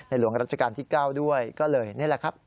หลวงรัชกาลที่๙ด้วยก็เลยนี่แหละครับ